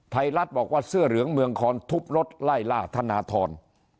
ไทยรัฐบอกว่าเสื้อเหลืองเมืองคอนทุบรถไล่ล่าธนทร